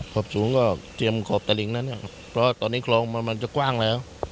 หกศูนย์ก็เตรียมขอบตะลิงแล้วเนี่ยเพราะตอนนี้คลองมันมันจะกว้างแล้ว